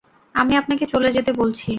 আমি আপনাকে চলে যেতে বলছি।